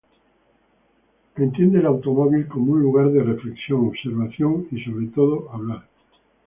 El entiende el automóvil como un lugar de reflexión, observación y, sobre todo, hablar.